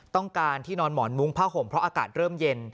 ต้องการที่นอนหมอนมุ้งผ้าห่มเพราะอากาศเริ่มเย็น